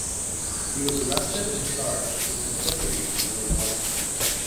He was arrested and charged with complicity in the rebellion.